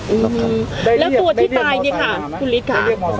อืมแล้วตัวที่ตายนี่ค่ะคุณฤทธิ์ค่ะ